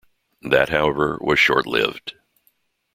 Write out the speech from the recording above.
That however, was short-lived.